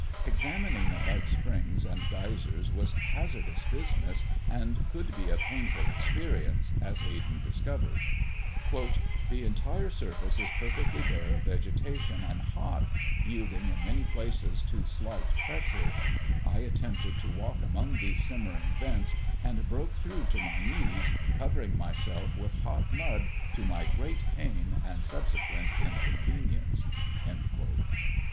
Examining the mud springs and geysers was hazardous business and could be a painful experience, as Hayden discovered: "The entire surface is perfectly bare of vegetation and hot, yielding in many places to slight pressure. I attempted to walk among these simmering vents, and broke through to my knees, covering myself with hot mud, to my great pain and subsequent inconvenience." [Illustration: Boiling Mud Springs at Crater Hills near Sulphur Springs.